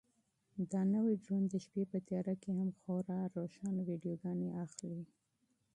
دا نوی ډرون د شپې په تیاره کې هم خورا روښانه ویډیوګانې اخلي.